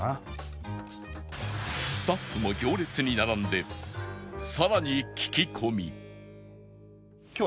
スタッフも行列に並んでさらに聞き込み